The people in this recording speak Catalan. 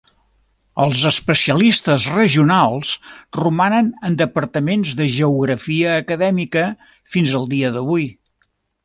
Els especialistes regionals romanen en departaments de Geografia acadèmica fins al dia d'avui.